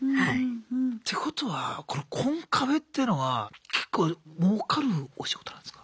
てことはこのコンカフェっていうのは結構もうかるお仕事なんすか？